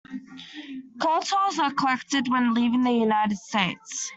Car tolls are collected when leaving the United States.